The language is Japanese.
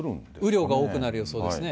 雨量が多くなる予想ですね。